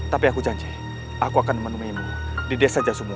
tapi aku janji aku akan menemui mu di desa jasumuka